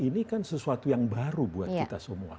ini kan sesuatu yang baru buat kita semua